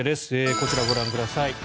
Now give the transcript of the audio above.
こちらをご覧ください。